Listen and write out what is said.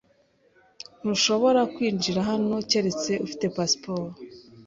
Ntushobora kwinjira hano keretse ufite pasiporo.